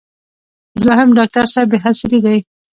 دوهم: ډاکټر صاحب بې حوصلې دی.